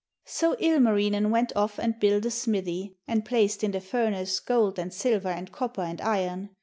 So Ilmarinen went off and built a smithy, and placed in the furnace gold and silver and copper and iron.